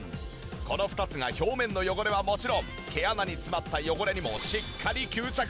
この２つが表面の汚れはもちろん毛穴に詰まった汚れにもしっかり吸着。